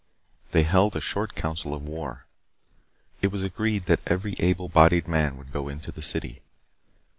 They held a short council of war. It was agreed that every able bodied man would go into the city.